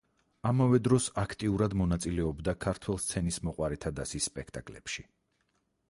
ამავე დროს აქტიურად მონაწილეობდა ქართველ სცენისმოყვარეთა დასის სპექტაკლებში.